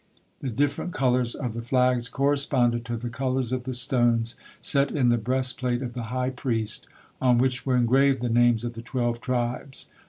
The different colors of the flags corresponded to the colors of the stones set in the breastplate of the high priest, on which were engraved the names of the twelve tribes.